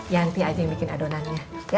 yanti aja yang bikin adonannya